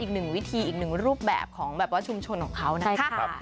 อีก๑วิธีอีก๑รูปแบบของชุมชนของเขานะคะ